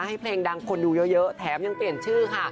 ให้เพลงดังคนดูเยอะแถมยังเปลี่ยนชื่อค่ะ